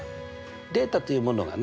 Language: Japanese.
データというものがね